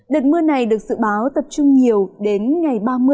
đợt mưa này được dự báo tập trung nhiều đến ngày ba mươi